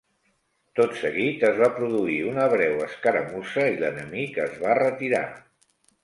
Tot seguit es va produir una breu escaramussa i l'enemic es va retirar.